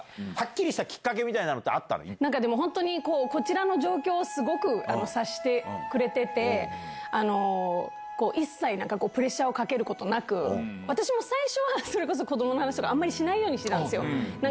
的ななんか、はっきりしでも本当に、こちらの状況をすごく察してくれてて、一切、プレッシャーをかけることなく、私も最初は、それこそ子どもの話とかあまりしないようにしてたんですよ。